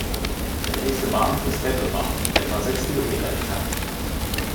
Der nächste Bahnhof ist Dettelbach, etwa sechs Kilometer entfernt.